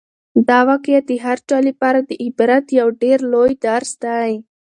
دا واقعه د هر چا لپاره د عبرت یو ډېر لوی درس دی.